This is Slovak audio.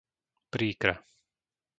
Príkra